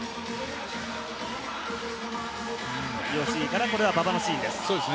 吉井から馬場のシーンです。